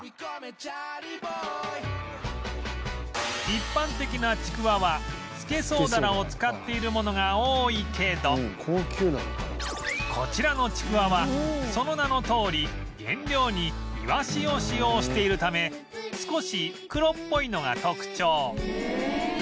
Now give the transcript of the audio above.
一般的なちくわはスケソウダラを使っているものが多いけどこちらのちくわはその名のとおり原料にいわしを使用しているため少し黒っぽいのが特徴